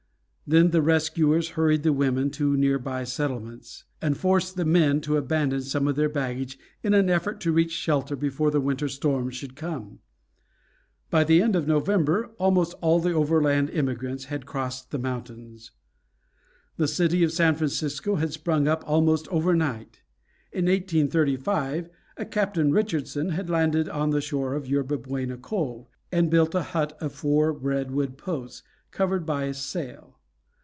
Then the rescuers hurried the women to near by settlements, and forced the men to abandon some of their baggage in an effort to reach shelter before the winter storms should come. By the end of November almost all the overland emigrants had crossed the mountains. [Illustration: THE TEAMS, EXHAUSTED, BEGAN TO FAIL] The city of San Francisco had sprung up almost overnight. In 1835 a Captain Richardson had landed on the shore of Yerba Buena Cove, and built a hut of four redwood posts, covered by a sail.